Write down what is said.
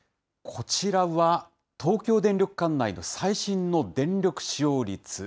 こちらは、東京電力管内の最新の電力使用率。